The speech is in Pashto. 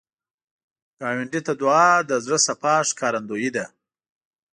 ګاونډي ته دعا، د زړه صفا ښکارندویي ده